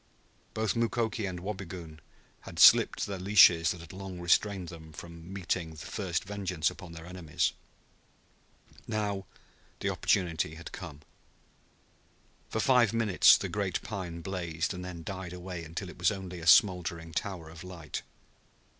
Both Mukoki and Wabigoon had slipped the leashes that had long restrained them from meting first vengeance upon their enemies. Now the opportunity had come. For five minutes the great pine blazed, and then died away until it was only a smoldering tower of light.